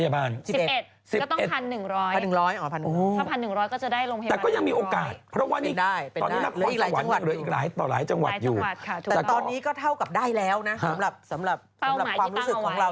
บ๊วยพวกเราส่วนใหญ่อืดสิ้นปีความหวังของพวกคุณคืออะไร